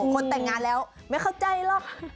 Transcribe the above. คนแต่งงานแล้วไม่เข้าใจหรอก